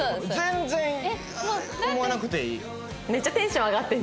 全然思わなくていい。